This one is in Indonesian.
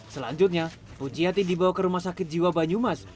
selanjutnya puji hati dibawa ke rumah sakit jiwa banyumas